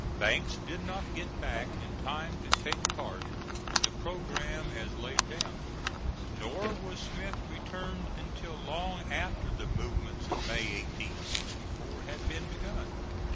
Banks did not get back in time to take part in the programme as laid down. Nor was Smith returned until long after the movements of May, 1864, had been begun.